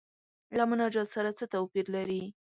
له مناجات سره څه توپیر لري.